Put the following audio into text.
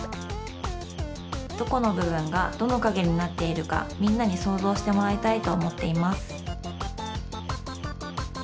どこのぶぶんがどのかげになっているかみんなにそうぞうしてもらいたいとおもっています。